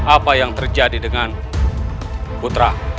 apa yang terjadi dengan putra